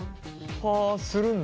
はあするんだ？